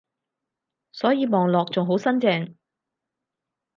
所以望落仲好新淨